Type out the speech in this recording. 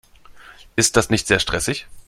Ist das nicht sehr stressig?